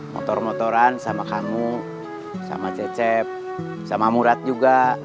motor motoran sama kamu sama cecep sama murad juga